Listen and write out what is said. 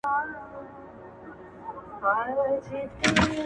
o هغه به خپل زړه په ژړا وویني.